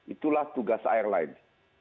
itulah tugas airline